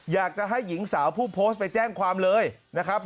อยากจะให้หญิงสาวผู้โพสต์ไปแจ้งความเลยนะครับ